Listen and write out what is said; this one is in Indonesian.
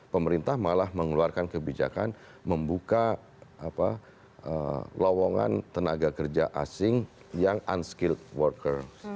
pemerintah malah mengeluarkan kebijakan membuka lowongan tenaga kerja asing yang unskilled worker